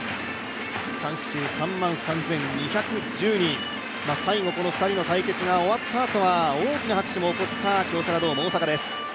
観衆３万３２１０人、最後、２人の対決が終わったあとは大きな拍手も起こった京セラドーム大阪です。